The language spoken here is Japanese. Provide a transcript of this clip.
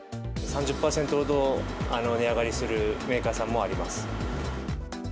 ３０％ほど値上がりするメーカーさんもあります。